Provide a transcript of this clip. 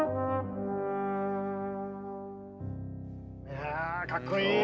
いやあかっこいい。